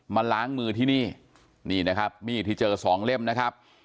มาล้างมือที่นี่นี่นะครับมีดที่เจอสองเล่มนะครับ